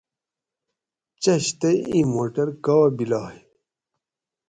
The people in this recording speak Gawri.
جج تئی اِیں موٹر کا بیلائ؟